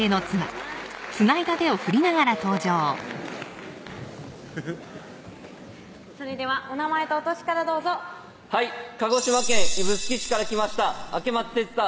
どうぞそれではお名前とお歳からどうぞはい鹿児島県指宿市から来ました明松哲汰